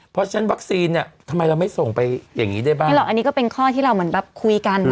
เพราะฉะนั้นวัคซีนเนี่ยทำไมเราไม่ส่งไปอย่างนี้ได้บ้างไม่หรอกอันนี้ก็เป็นข้อที่เราเหมือนแบบคุยกัน